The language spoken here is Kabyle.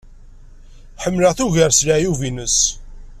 Ḥemmleɣ-t ugar s leɛyub-nnes.